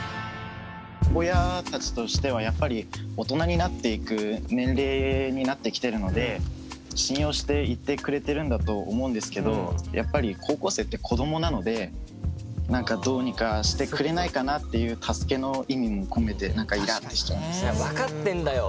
親たちとしてはやっぱり大人になっていく年齢になってきてるので信用して言ってくれてるんだと思うんですけどやっぱり高校生って子どもなので何かっていう助けの意味も込めていや分かってんだよっていう